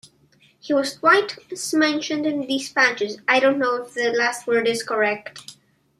He was twice mentioned in despatches.